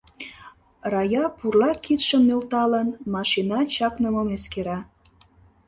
Рая пурла кидшым нӧлталын, машина чакнымым эскера.